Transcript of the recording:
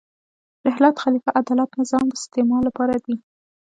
رحلت، خلیفه، عدالت، نظام د استعمال لپاره دي.